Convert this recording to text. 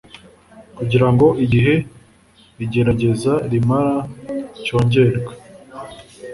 kugira ngo igihe igerageza rimara cyongerwe